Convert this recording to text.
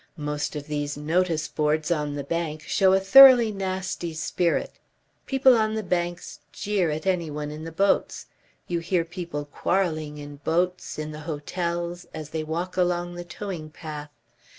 Most of these notice boards on the bank show a thoroughly nasty spirit. People on the banks jeer at anyone in the boats. You hear people quarrelling in boats, in the hotels, as they walk along the towing path.